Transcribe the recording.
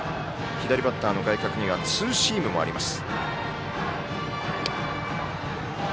左バッターの外角にはツーシームもあります。